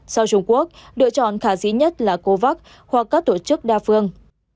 sau trung quốc đội chọn khả dĩ nhất là covax hoặc các tổ chức đa phương